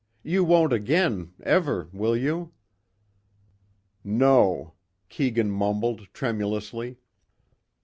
You won't, again? Ever? Will you?" "No," Keegan mumbled tremulously.